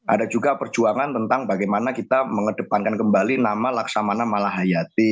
ada juga perjuangan tentang bagaimana kita mengedepankan kembali nama laksamana malahayati